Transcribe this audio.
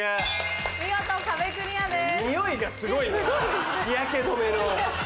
見事壁クリアです。